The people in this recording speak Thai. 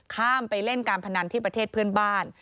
ข้ามไปเล่นการพนันที่ประเทศเพื่อนบ้าน